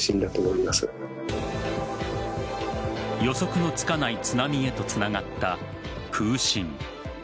予測のつかない津波へとつながった空振。